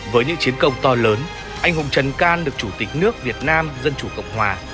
với những chiến công to lớn anh hùng trần can được chủ tịch nước việt nam dân chủ cộng hòa